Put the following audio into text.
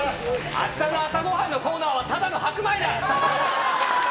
あしたの朝ごはんのコーナーはただの白米だ！